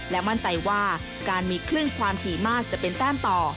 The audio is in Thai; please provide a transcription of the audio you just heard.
และมั่นใจว่าการมีคลื่นความถี่มากจะเป็นแต้มต่อ